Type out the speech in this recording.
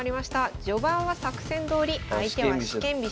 序盤は作戦どおり相手は四間飛車。